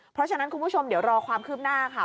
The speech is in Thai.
เพราะฉะนั้นคุณผู้ชมเดี๋ยวรอความคืบหน้าค่ะ